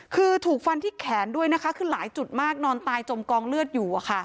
คือถูกฟันที่แขนด้วยนะคะคือหลายจุดมากนอนตายจมกองเลือดอยู่